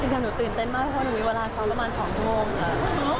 จริงอะหนูตื่นเต้นมากเพราะหนูมีเวลาเศร้าละมาร์๒ชั่วโมงค่ะ